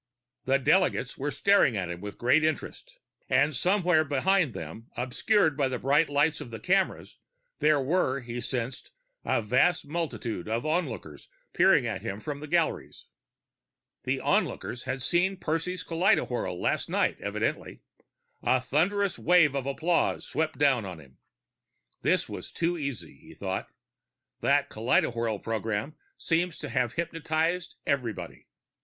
The delegates were staring at him with great interest ... and, somewhere behind them, obscured by the bright lights of the cameras, there were, he sensed, a vast multitude of onlookers peering at him from the galleries. Onlookers who had seen Percy's kaleidowhirl last night, evidently. A thunderous wave of applause swept down on him. This is too easy, he thought. _That kaleidowhirl program seems to have hypnotized everybody.